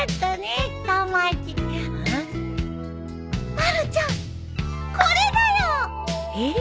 まるちゃんこれだよ。えっ！？